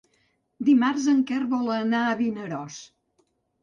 Dimarts en Quer vol anar a Vinaròs.